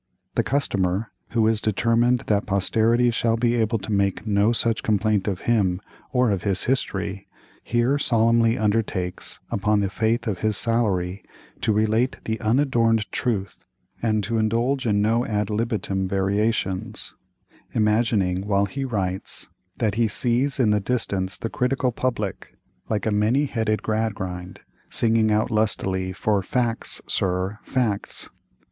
The customer, who is determined that posterity shall be able to make no such complaint of him or of his history, here solemnly undertakes, upon the faith of his salary, to relate the unadorned truth, and to indulge in no ad libitum variations—imagining, while he writes, that he sees in the distance the critical public, like a many headed Gradgrind, singing out lustily for "Facts, sir, facts."